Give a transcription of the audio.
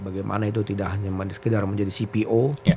bagaimana itu tidak hanya sekedar menjadi cpo